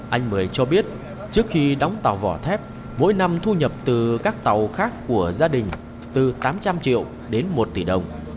anh mười cho biết trước khi đóng tàu vỏ thép mỗi năm thu nhập từ các tàu khác của gia đình từ tám trăm linh triệu đến một tỷ đồng